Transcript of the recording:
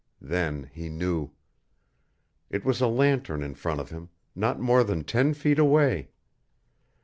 Then he knew. It was a lantern in front of him, not more than ten feet away.